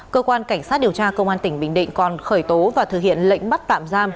cơ quan cảnh sát điều tra công an tỉnh bình định còn khởi tố và thực hiện lệnh bắt tạm giam